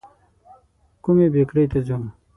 کومي بېکرۍ ته ځو ؟